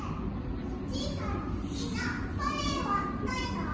ルチータのすきなバレエはないの？